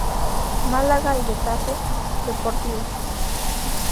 Málaga y Getafe Deportivo.